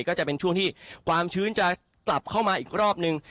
ก็จะเป็นช่วงที่ความชื้นจะกลับเข้ามาอีกรอบนึง